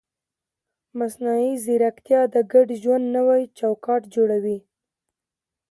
مصنوعي ځیرکتیا د ګډ ژوند نوی چوکاټ جوړوي.